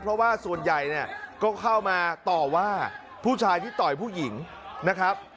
เพราะว่าส่วนใหญ่เนี่ยก็เข้ามาต่อว่าผู้ชายที่ต่อยผู้หญิงนะครับ